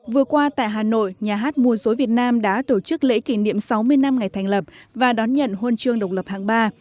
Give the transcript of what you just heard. vừa qua tại hà nội nhà hát mùa dối việt nam đã tổ chức lễ kỷ niệm sáu mươi năm ngày thành lập và đón nhận huân chương độc lập hạng ba